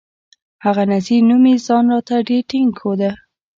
هغه نذير نومي ځان راته ډېر ټينګ ښوده.